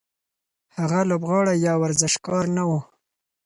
هغه لوبغاړی یا ورزشکار نه و.